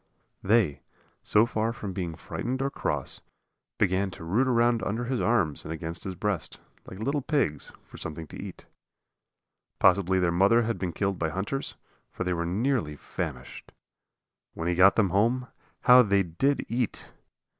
They, so far from being frightened or cross, began to root around under his arms and against his breast, like little pigs, for something to eat. Possibly their mother had been killed by hunters, for they were nearly famished. When he got them home, how they did eat!